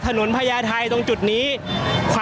ก็น่าจะมีการเปิดทางให้รถพยาบาลเคลื่อนต่อไปนะครับ